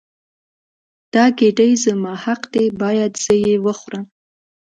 دا ګیډۍ زما حق دی باید زه یې وخورم.